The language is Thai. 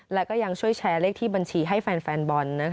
และก็ยังช่วยแชร์เลขที่บัญชีให้แฟนบอล